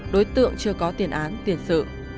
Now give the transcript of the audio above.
đối tượng chưa có tiền án tiền sự